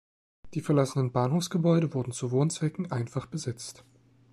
Die verlassenen Bahnhofsgebäude wurden zu Wohnzwecken einfach besetzt.